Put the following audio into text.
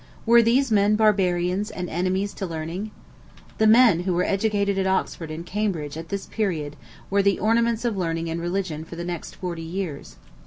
Were these men barbarians and enemies to learning? The men who were educated at Oxford and Cambridge at this period were the ornaments of learning and religion for the next forty years.